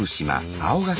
青ヶ島。